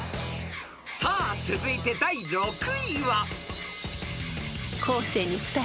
［さあ続いて第６位は］